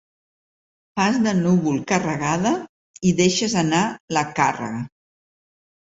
Fas de núvol carregada i deixes anar la càrrega.